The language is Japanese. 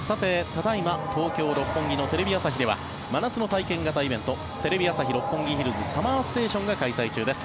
ただ今東京・六本木のテレビ朝日では真夏の体験型イベントテレビ朝日・六本木ヒルズＳＵＭＭＥＲＳＴＡＴＩＯＮが開催中です。